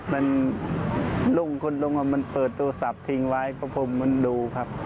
มันลุงคุณลุงมันเปิดโทรศัพท์ทิ้งไว้เพราะผมมันดูครับ